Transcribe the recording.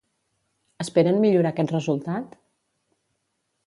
Esperen millorar aquest resultat?